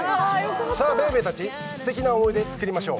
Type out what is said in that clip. さあ、ベイベーたち、すてきな思い出作りましょう。